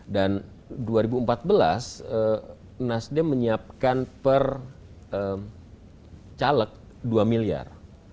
dan dua ribu empat belas nasdem menyiapkan per caleg dua miliar